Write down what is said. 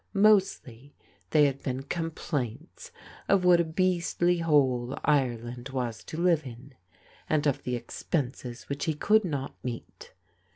Mostly they had been com plaints of what a beastly hole Ireland was to live in, and of expenses which he could not meet.